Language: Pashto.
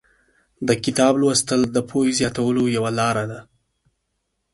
د کتاب لوستل د پوهې زیاتولو یوه لاره ده.